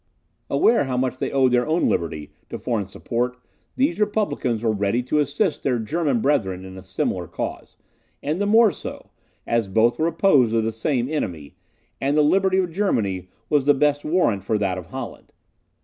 Aware how much they owed their own liberty to foreign support, these republicans were ready to assist their German brethren in a similar cause, and the more so, as both were opposed to the same enemy, and the liberty of Germany was the best warrant for that of Holland.